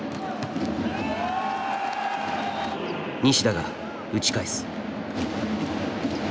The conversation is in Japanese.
西田が打ち返す。